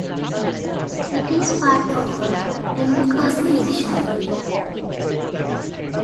It is part of the Embakasi division.